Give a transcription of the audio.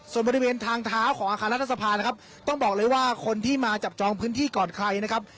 ส่วนบริเวณทางเท้าของอาคารรัฐสภานะครับต้องบอกเลยว่าคนที่มาจับจองพื้นที่ก่อนใครนะครับ